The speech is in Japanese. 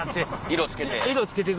色付けて。